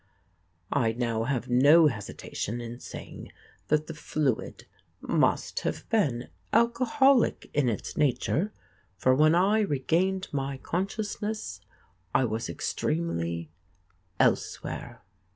I now have no hesitation in saying that the fluid must have been alcoholic in its nature, for when I regained my consciousness I was extremely elsewhere.